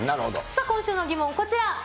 さあ、今週の疑問、こちら。